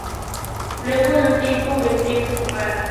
Luego de un tiempo el trío se separa.